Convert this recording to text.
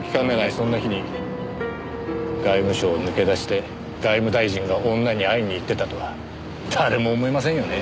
そんな日に外務省を抜け出して外務大臣が女に会いに行ってたとは誰も思いませんよね。